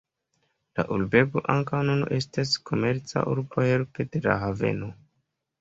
La urbego ankaŭ nun estas komerca urbo helpe de la haveno.